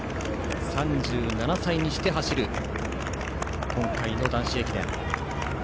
３７歳にして走る今回の男子駅伝。